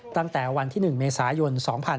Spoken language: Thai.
ตั้งแต่วันที่๑เมษายน๒๕๖๒